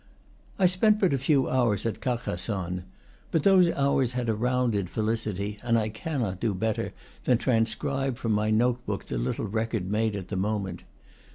I spent but a few hours at Carcassonne; but those hours had a rounded felicity, and I cannot do better than transcribe from my note book the little record made at the moment.